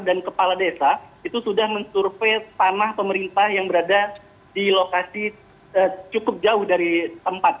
dan kepala desa itu sudah mensurvey tanah pemerintah yang berada di lokasi cukup jauh dari tempat